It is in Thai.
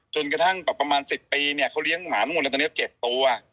จนกระทั่งประมาณสิบปีเนี่ยเขาเลี้ยงหมาหมดตัวเนี่ยเจ็บตัว